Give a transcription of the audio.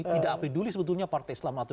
tidak peduli sebetulnya partai islam atau